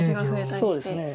そうですね。